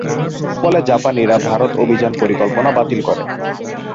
ফলে জাপানিরা ভারত অভিযান পরিকল্পনা বাতিল করে।